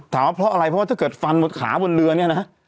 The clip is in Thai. ว่าเพราะอะไรเพราะว่าถ้าเกิดฟันบนขาบนเรือเนี่ยนะ